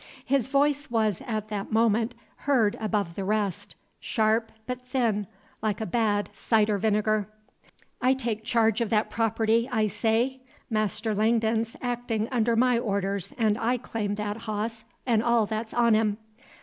His voice was at that moment heard above the rest, sharp, but thin, like bad cider vinegar. "I take charge of that property, I say. Master Langdon 's actin' under my orders, and I claim that hoss and all that's on him.